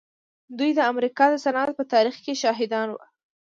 دوی د امريکا د صنعت په تاريخ کې شاهدان وو.